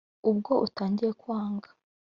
Ubwo utangiye kwanga